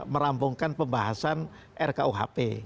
merambungkan pembahasan rkuhp